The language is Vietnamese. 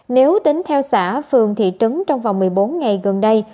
nếu tính theo xã phường thị trấn trong vòng một mươi bốn ngày gần đây